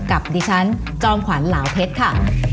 กับดิฉันจอมขวัญเหลาเพชรค่ะ